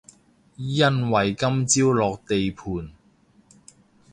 因為今朝落地盤